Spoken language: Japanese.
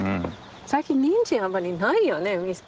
最近ニンジンあまりないよね。